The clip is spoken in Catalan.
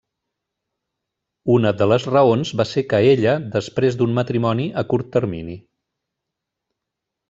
Una de les raons va ser que ella després d'un matrimoni a curt termini.